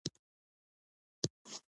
موږ ولې کار غواړو؟